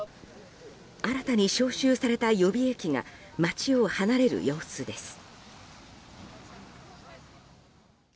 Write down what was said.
新たに招集された予備役が街を離れる様子です。